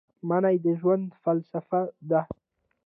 مني د ژوند فلسفه ده